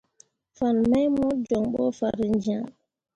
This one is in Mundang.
Fan mai mo jon ɓo farenjẽa.